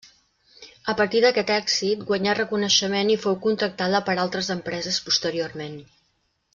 A partir d'aquest èxit guanyà reconeixement i fou contractada per altres empreses posteriorment.